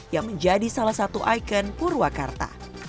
yang menjadi salah satu ikon purwakarta